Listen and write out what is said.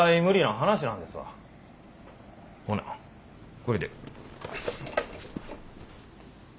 ほなこれで。